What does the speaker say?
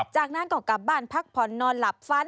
จากนั้นก็กลับบ้านพักผ่อนนอนหลับฝัน